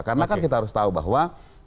karena kan kita harus tahu bahwa